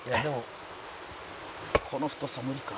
「この太さ無理か」